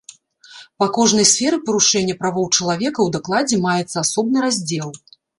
Па кожнай сферы парушэння правоў чалавека ў дакладзе маецца асобны раздзел.